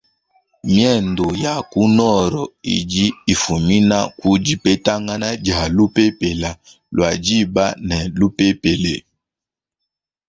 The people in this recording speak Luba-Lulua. Miendu ya ku nord idi ifumina ku dipetangana dia lupepele lua dîba ne lupepele.